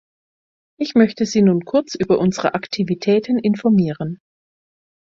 Ich möchte Sie nun kurz über unsere Aktivitäten informieren.